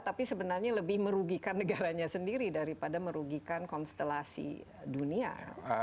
tapi sebenarnya lebih merugikan negaranya sendiri daripada merugikan konstelasi dunia